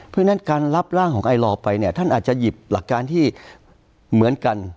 เพราะฉะนั้นการรับร่างของไอลอไปเนี่ยท่านอาจจะหยิบหลักการที่เหมือนกัน